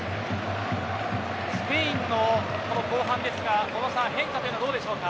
スペインの後半ですが小野さん変化というのはどうでしょうか。